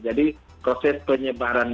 jadi proses penyebaran